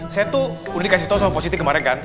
saya tuh udah dikasih tau sama positi kemarin kan